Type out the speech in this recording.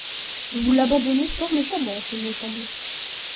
Vous l'abandonnez fort méchamment, ce me semble!